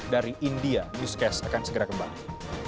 selamat malam reinhardt